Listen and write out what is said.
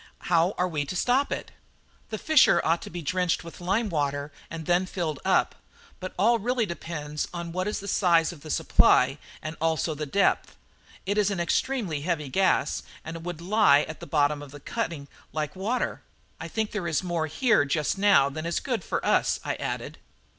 How are we to stop it?" "The fissure ought to be drenched with lime water, and then filled up; but all really depends on what is the size of the supply and also the depth. It is an extremely heavy gas, and would lie at the bottom of a cutting like water. I think there is more here just now than is good for us," I added.